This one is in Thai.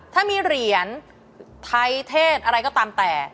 ถ้ามีเหรียญไทยเทศอะไรก็ตามแต่